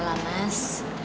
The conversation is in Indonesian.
ya lah mas